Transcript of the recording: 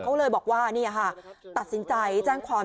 เขาเลยบอกว่าตัดสินใจแจ้งความ